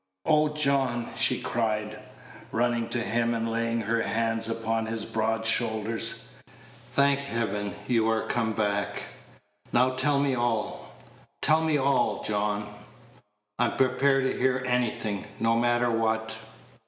"Oh, John," she cried, running to him and laying her hands upon his broad shoulders, "thank Heaven you are come back! Now tell me all tell me all, John. I am prepared to hear anything, no matter what.